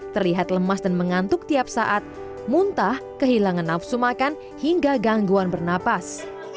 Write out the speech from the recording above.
terlihat lemas dan mengantuk tiap saat muntah kehilangan nafsu makan hingga gangguan bernapas